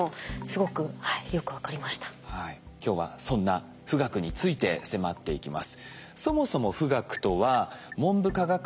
今日はそんな富岳について迫っていきます。